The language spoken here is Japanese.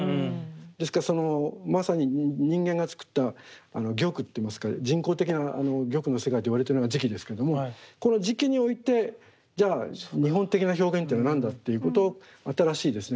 ですからまさに人間が作った玉っていいますか人工的な玉の世界といわれてるのが磁器ですけどもこの磁器においてじゃあ日本的な表現っていうのは何だっていうこと新しいですね